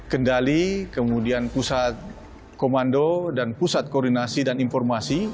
kendali kemudian pusat komando dan pusat koordinasi dan informasi